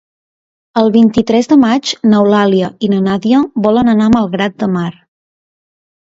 El vint-i-tres de maig n'Eulàlia i na Nàdia volen anar a Malgrat de Mar.